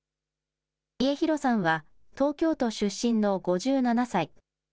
家広さんは、東京都出身の５７歳。